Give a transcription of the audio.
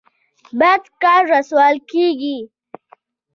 بد کار رسوا کیږي